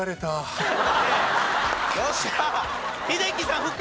よっしゃあ！